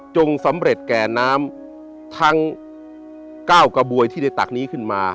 สำเร็จแก่น้ำทั้ง๙กระบวยที่ได้ตักนี้ขึ้นมา